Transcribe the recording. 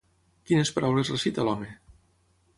Quines paraules recita l'home?